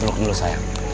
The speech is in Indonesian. belok dulu sayang